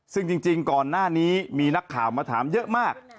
ซึ่งจริงก่อนหน้านี้มีนักข่าวมาถามเยอะมาก